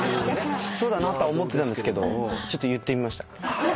そうだなとは思ってたんですけどちょっと言ってみました。